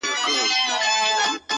خدایه ته چیري یې او ستا مهرباني چیري ده